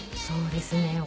そうですね。